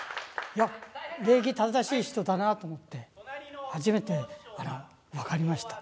いや、礼儀正しい人だなと思って、初めて分かりました。